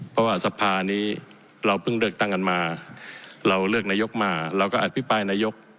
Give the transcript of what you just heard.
เพราะว่าสภานี้เราเพิ่งเลือกตั้งกันมาเราเลือกนายกมาเราก็อภิปรายนายก